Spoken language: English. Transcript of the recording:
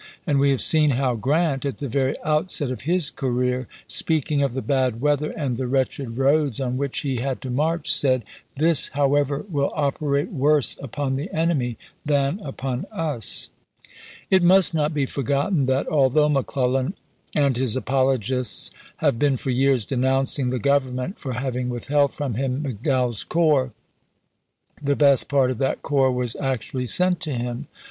and we have seen how Grrant at the very outset of his career, speaking of the bad weather and the wretched roads on which he had to march, said :" This, however, will operate worse upon the ^°ot enemy ... than upon us." It must not be forgotten that, although McClellan and his apologists have been for years denouncing the Government for having withheld from him McDowell's corps, the best part of that corps was actually sent to him.